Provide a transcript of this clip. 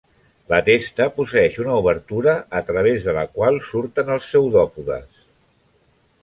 La testa posseeix una obertura a través de la qual surten els pseudòpodes.